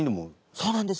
そうなんです。